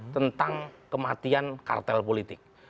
tentang kematian kartel politik